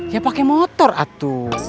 ya pake motor atuh